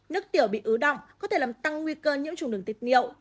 nước tiểu bị ứ đọng có thể làm tăng nguy cơ nhiễm trùng đường tiết niệu